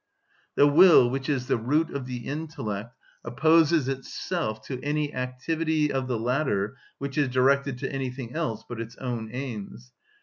The will, which is the root of the intellect, opposes itself to any activity of the latter which is directed to anything else but its own aims.